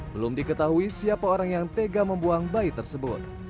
belum diketahui siapa orang yang tega membuang bayi tersebut